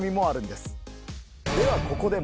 ではここで。